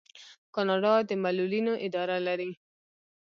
کاناډا د معلولینو اداره لري.